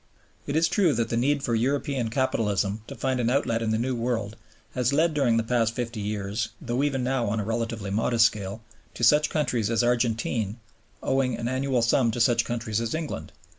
It is true that the need for European capitalism to find an outlet in the New World has led during the past fifty years, though even now on a relatively modest scale, to such countries as Argentine owing an annual sum to such countries as England.